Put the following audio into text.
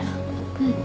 うん。